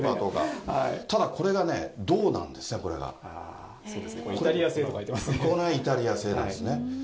ただこれがね、どうなんですね、イタリア製と書いてありますイタリア製なんですね。